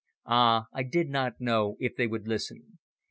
Ah! I did not know if they would listen.